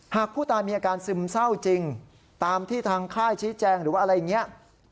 หากผู้ตายมีอาการซึมเศร้าจริงตามที่ทางค่ายชี้แจงหรือว่าอะไรอย่างนี้